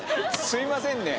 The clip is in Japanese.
すいませんね